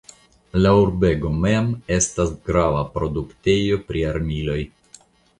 La urbego mem estas grava produktejo pri armiloj.